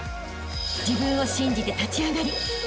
［自分を信じて立ち上がりあしたへ